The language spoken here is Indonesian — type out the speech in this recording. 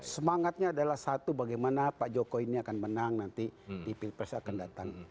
semangatnya adalah satu bagaimana pak jokowi ini akan menang nanti di pilpres akan datang